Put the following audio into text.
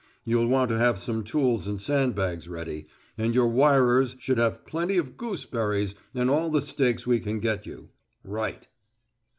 You'll want to have some tools and sand bags ready, and your wirers should have plenty of gooseberries and all the stakes we can get you. Right."